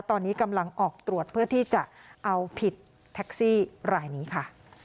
ตอนนี้กำลังออกตรวจเพื่อที่จะเอาผิดแท็กซี่รายนี้ค่ะ